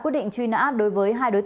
cái gì đây